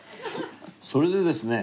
それでですね